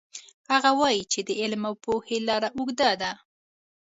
هغه وایي چې د علم او پوهې لار اوږده ده